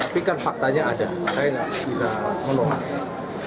tapi kan faktanya ada saya nggak bisa menolak